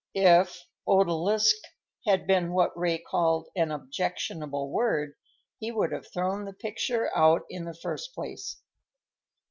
If "odalisque" had been what Ray called an objectionable word, he would have thrown the picture out in the first place.